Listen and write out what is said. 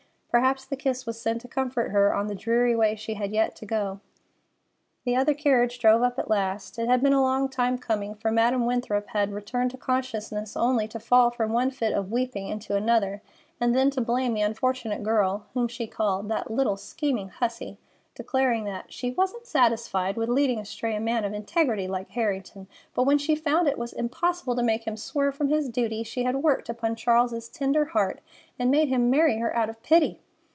Perhaps the kiss was sent to comfort her on the dreary way she had yet to go. The other carriage drove up at last. It had been a long time coming, for Madam Winthrop had returned to consciousness only to fall from one fit of weeping into another, and then to blame the unfortunate girl, whom she called "that little scheming hussy," declaring that "she wasn't satisfied with leading astray a man of integrity like Harrington, but when she found it was impossible to make him swerve from his duty she had worked upon Charles's tender heart and made him marry her out of pity."